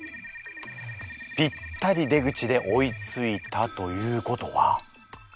ぴったり出口で追いついたということは？